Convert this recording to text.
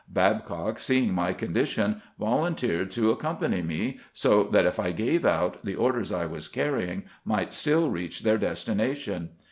Babcock, see ing my condition, volunteered to accompany me, so that if I gave out, the orders I was carrying might still reach their destination.